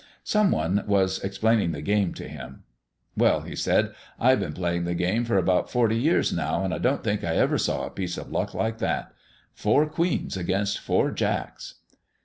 Some one was explaining the game to him. "Well," he said, "I've been playing the game for about forty years now and I don't think I ever saw a piece of luck like that. Four queens against four jacks!"